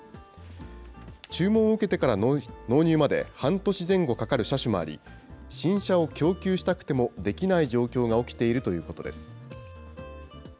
注文を受けてから納入まで半年前後かかる車種もあり、新車を供給したくてもできない状況が起きているということです。